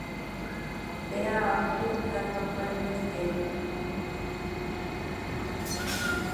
Bea Arthur ganó Premios Emmy.